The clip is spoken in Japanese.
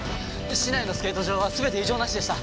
市内のスケート場は全て異常なしでした。